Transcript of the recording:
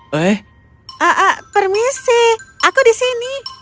permisi aku di sini